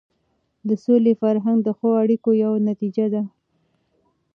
د سولې فرهنګ د ښو اړیکو یوه نتیجه ده.